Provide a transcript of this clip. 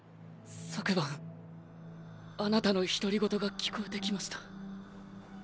昨晩あなたの独り言が聞こえてきました。